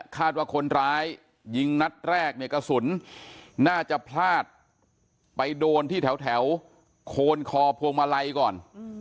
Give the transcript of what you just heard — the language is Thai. คาดว่าคนร้ายยิงนัดแรกเนี่ยกระสุนน่าจะพลาดไปโดนที่แถวโคนคอพวงมาลัยก่อน